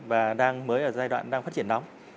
và đang mới ở giai đoạn đang phát triển nóng